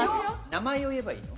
名前を言えばいいの？